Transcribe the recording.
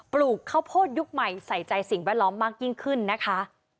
ลูกข้าวโพดยุคใหม่ใส่ใจสิ่งแวดล้อมมากยิ่งขึ้นนะคะ